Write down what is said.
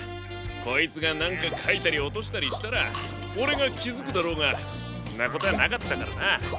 こいつがなんかかいたりおとしたりしたらオレがきづくだろうがんなことなかったからな。